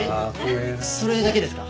それだけですか？